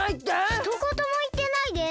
ひとこともいってないです！